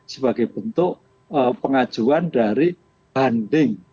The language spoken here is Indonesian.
sebagai bentuk pengajuan dari banding